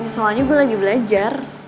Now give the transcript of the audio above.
soalnya gue lagi belajar